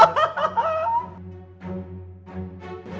lu yang ngerjain